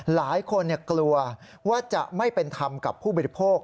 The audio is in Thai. หลายคนกลัวว่าจะไม่เป็นธรรมกับผู้บริโภค